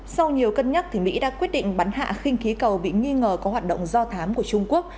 sau nhiều cân nhắc mỹ đã quyết định bắn hạ khinh khí cầu bị nghi ngờ có hoạt động do thám của trung quốc